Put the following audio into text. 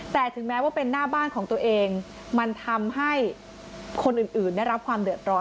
แต่ถึงแม้ว่าเป็นหน้าบ้านของตัวเองมันทำให้คนอื่นได้รับความเดือดร้อน